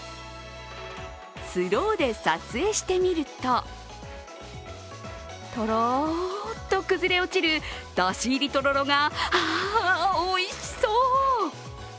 スローで撮影してみるととろっと崩れ落ちるだし入りとろろがあ、おいしそう！